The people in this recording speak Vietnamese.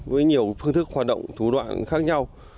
với nhiều phương thức hoạt động thủ đoạn khác nhau